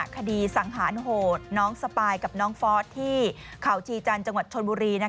คดีสังหารโหดน้องสปายกับน้องฟอสที่เขาชีจันทร์จังหวัดชนบุรี